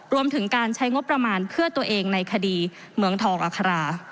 รวมถึงการใช้งบประมาณเพื่อตัวเองในคดีเมืองทองอัครา